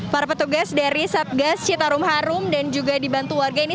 para petugas dari satgas citarum harum dan juga dibantu warga ini